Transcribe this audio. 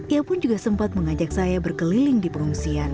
ia pun juga sempat mengajak saya berkeliling di pengungsian